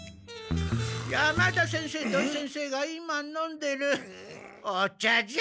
山田先生土井先生が今飲んでるお茶じゃ。